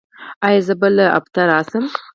ایا زه بله اونۍ راشم؟